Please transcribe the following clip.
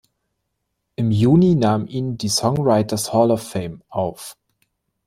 Im Juni nahm ihn die "Songwriter’s Hall of Fame" auf.